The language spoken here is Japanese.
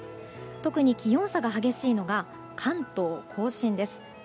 特に気温差が激しいのが関東・甲信です。